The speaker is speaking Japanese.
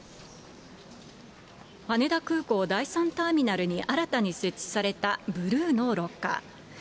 羽田空港第３ターミナルに新たに設置されたブルーのロッカー。